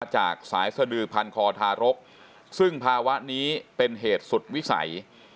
จากสายสดือพันคอทารกซึ่งภาวะนี้เป็นเหตุสุดวิสัย